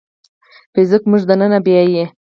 فزیک موږ دننه بیايي.